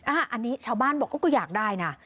อันนี้ชาวบ้านบอกเขาก็อยากได้นะ